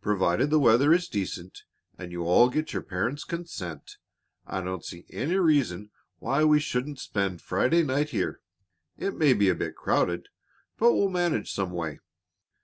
"Provided the weather is decent and you all get your parents' consent, I don't see any reason why we shouldn't spent Friday night here. It may be a bit crowded, but we'll manage some way."